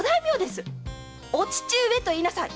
「お父上」と言いなさい！